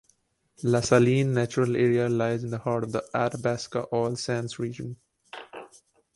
La Saline Natural Area lies in the heart of the Athabasca Oil Sands region.